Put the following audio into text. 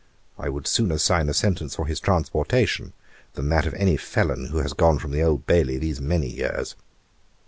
I would sooner sign a sentence for his transportation, than that of any felon who has gone from the Old Bailey these many years.